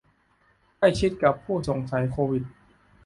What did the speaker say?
ใกล้ชิดกับผู้สงสัยโควิด